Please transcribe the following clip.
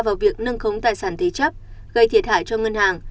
vào việc nâng khống tài sản thế chấp gây thiệt hại cho ngân hàng